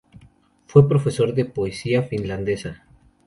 Fue profesor de poesía finlandesa.